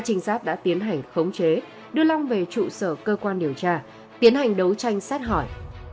các trinh sát đã tiến hành khống chế đưa lòng về trụ sở cơ quan điều tra tiến hành đấu tranh sát hỏi